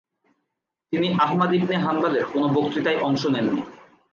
তিনি Ahmad ibn হানবালের কোনো বক্তৃতায় অংশ নেননি।